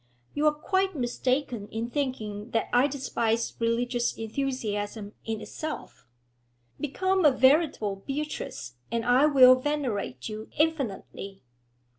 You are quite mistaken in thinking that I despise religious enthusiasm in itself. Become a veritable Beatrice, and I will venerate you infinitely.